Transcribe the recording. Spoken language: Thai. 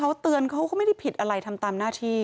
เขาเตือนเขาก็ไม่ได้ผิดอะไรทำตามหน้าที่